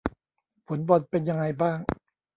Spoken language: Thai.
ผลบอลเป็นยังไงบ้าง